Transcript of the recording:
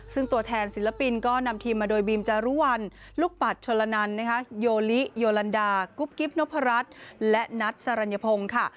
ซึ่งตัวแทนศิลปินก็นำทีมมาโดยบีมจารุวัลลูกปัดชนละนันโยลิโยลันดากุ๊บกิ๊บนพรัชและนัทสรรยพงศ์ค่ะ